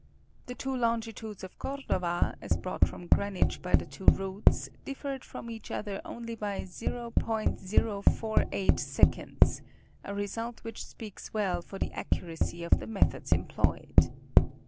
The two longitudes of Cordova, as brought from Greenwich by the two routes, differed from each other by only 0%.048, a result which speaks well for the accuracy of the methods employed.